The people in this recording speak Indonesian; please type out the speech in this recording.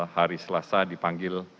hari selasa dipanggil